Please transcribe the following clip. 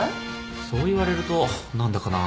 そう言われると何だかなぁ。